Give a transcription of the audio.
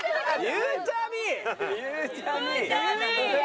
ゆうちゃみ！